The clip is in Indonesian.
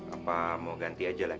apa mau ganti aja lah